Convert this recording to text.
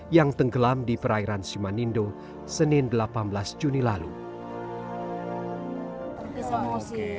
yang tenggelam di perairan simanindo senin delapan belas juli